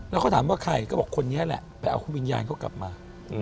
แล้วเขาถามว่าใครก็บอกคนนี้แหละไปเอาคุณวิญญาณเขากลับมา